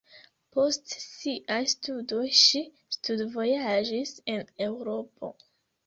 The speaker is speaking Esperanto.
Post siaj studoj ŝi studvojaĝis en Eŭropo.